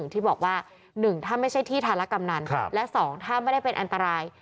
ที่บอกว่า๑ถ้าไม่ใช่ที่ธารกำนันและ๒ถ้าไม่ได้เป็นอันตราย